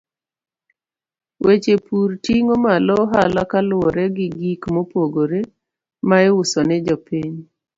Weche pur ting'o malo ohala kaluwore gi gik mopogore ma iuso ne jopiny.